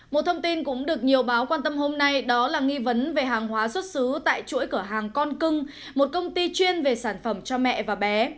một thông tin cũng được nhiều báo quan tâm hôm nay đó là nghi vấn về hàng hóa xuất xứ tại chuỗi cửa hàng con cưng một công ty chuyên về sản phẩm cho mẹ và bé